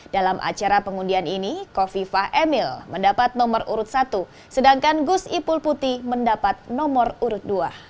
dalam acara pengundian ini kofifah emil mendapat nomor urut satu sedangkan gus ipul putih mendapat nomor urut dua